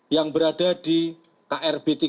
yang berada di krb tiga